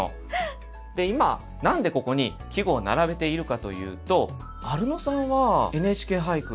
で今何でここに季語を並べているかというとアルノさんは「ＮＨＫ俳句」